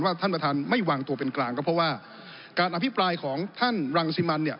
ท่านประธานไม่วางตัวเป็นกลางก็เพราะว่าการอภิปรายของท่านรังสิมันเนี่ย